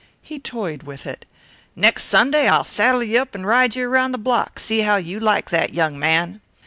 He toyed with it. "Next Sunday I'll saddle you up and ride you round the block see how you like that, young man."